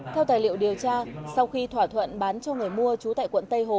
theo tài liệu điều tra sau khi thỏa thuận bán cho người mua trú tại quận tây hồ